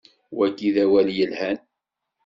Wagi d awal yelhan.